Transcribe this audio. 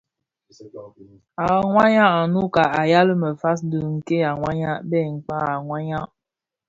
A wayag a Nnouka a yal mefas le dhi Nke a wayag bè Mkpag a wayag.